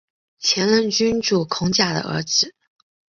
前任君主孔甲的儿子。